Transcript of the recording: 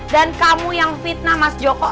dan kamu yang fitnah mas joko